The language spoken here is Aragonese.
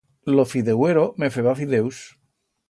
Lo fideuero, que feba fideus.